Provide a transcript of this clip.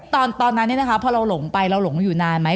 ตอนนั้นเนี่ยนะคะพอเราหลงไปเราหลงอยู่นานไหม